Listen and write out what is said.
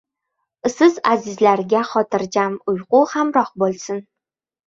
Siz azizlarga xotirjam uyqu hamroh boʻlsin!